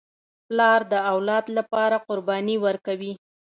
پلار د اولاد لپاره قرباني ورکوي.